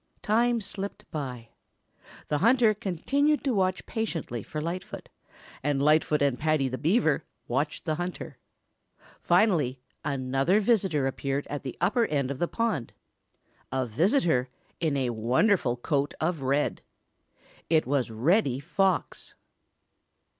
Time slipped away. The hunter continued to watch patiently for Lightfoot, and Lightfoot and Paddy the Beaver watched the hunter. Finally, another visitor appeared at the upper end of the pond a visitor in a wonderful coat of red. It was Reddy Fox.